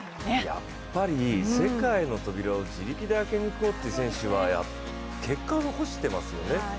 やっぱり世界の扉を自力で開ける選手というのは結果を残してますよね。